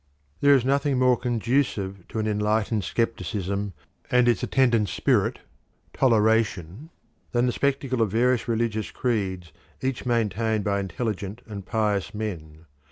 There is nothing more conducive to an enlightened scepticism, and its attendant spirit toleration, than the spectacle of various religious creeds each maintained by intelligent and pious men.